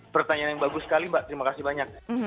pertanyaan yang bagus sekali mbak terima kasih banyak